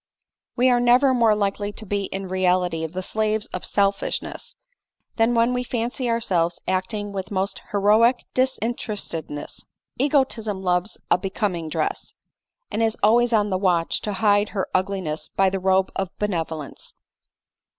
We are never more likely to be in reality the slaves of selfishness, than when we fancy ourselves acting with most heroic disinterestedness. Egotism loves a becom ing dress, and is always on the watch to hide her ugliness by <the robe of benevolence.